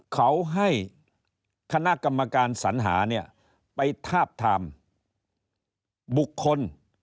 เขาให้คณะกรรมการสัญหาเนี่ยไปทาบทามบุคคล